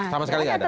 sama sekali gak ada